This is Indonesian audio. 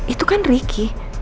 itu kan ricky